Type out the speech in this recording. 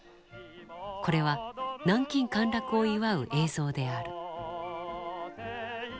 これは南京陥落を祝う映像である。